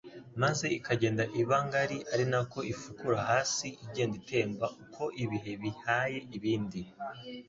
maze ikagenda iba ngari ari nako ifukura hasi igenda itemba uko ibihe bihaye ibindi.